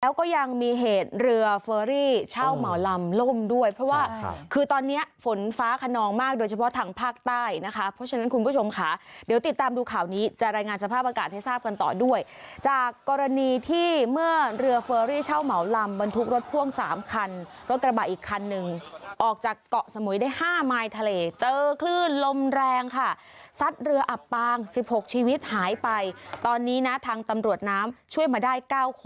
แล้วก็ยังมีเหตุเรือเฟอรี่เช่าเหมาลำล่มด้วยเพราะว่าคือตอนเนี้ยฝนฟ้าขนองมากโดยเฉพาะทางภาคใต้นะคะเพราะฉะนั้นคุณผู้ชมค่ะเดี๋ยวติดตามดูข่าวนี้จะรายงานสภาพอากาศให้ทราบกันต่อด้วยจากกรณีที่เมื่อเรือเฟอรี่เช่าเหมาลำมันทุกรถพ่วงสามคันรถตระบัดอีกคันหนึ่งออกจากเกาะสมุยได